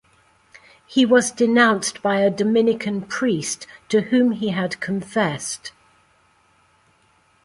He was denounced by a Dominican priest to whom he had confessed.